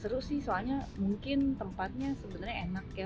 seru sih soalnya mungkin tempatnya sebenarnya enak ya